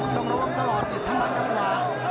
ต้องระวังตลอดทำลายจังหวะ